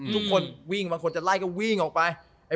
ทุกคนวิ่งบางคนจะไล่ก็วิ่งออกไป